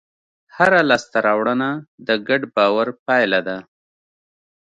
هره لاستهراوړنه د ګډ باور پایله ده.